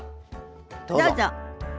どうぞ。